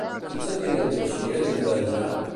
Quin sentiment creixia dintre en Jan?